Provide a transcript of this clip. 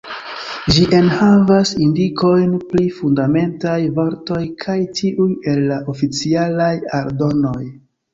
Ĝi enhavas indikojn pri Fundamentaj vortoj kaj tiuj el la Oficialaj Aldonoj.